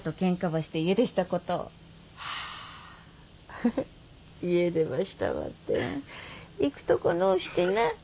フフ家出ばしたばって行くとこのーしてな。